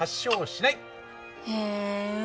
へえ。